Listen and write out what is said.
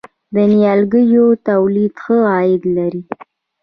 د نیالګیو تولید ښه عاید لري؟